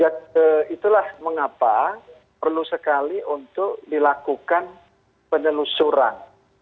ya itulah mengapa perlu sekali untuk dilakukan penelusuran